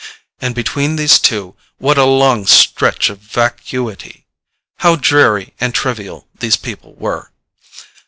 And between the two, what a long stretch of vacuity! How dreary and trivial these people were!